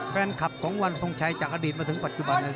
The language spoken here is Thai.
แฟนคลับของวันทรงชัยจากอดีตมาถึงปัจจุบันนั้น